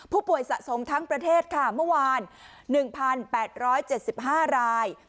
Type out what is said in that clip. ผู้ป่วยสะสมทั้งประเทศค่ะเมื่อวาน๑๘๗๕ราย